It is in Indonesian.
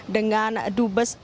dengan dubes residen